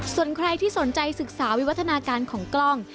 ส่วนใครที่สนใจศึกษาวิวัฒนาการของกล้อง